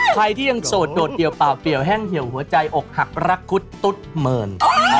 ใครที่ยังโสดโดดเดี่ยวเปล่าเปี่ยวแห้งเหี่ยวหัวใจอกหักรักคุดตุ๊ดเมิน